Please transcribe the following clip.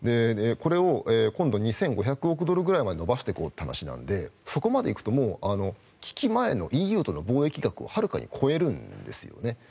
これを今度２５００億ドルくらいまで伸ばしていこうという話なのでそこまで行くと危機前のＥＵとの貿易額をはるかに超えるんですね。